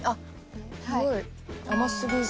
すごい！甘すぎず。